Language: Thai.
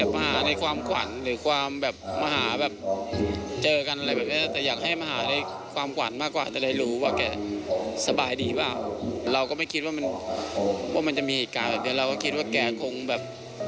มีเหตุการณ์แบบเดียวเราก็คิดว่าแกคงแบบ